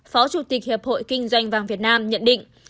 phó chủ tịch hiệp hội kinh doanh vàng việt nam nhận định